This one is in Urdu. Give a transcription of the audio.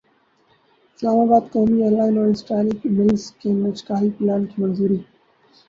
اسلام باد قومی ایئرلائن اور اسٹیل ملزکے نجکاری پلان کی منظوری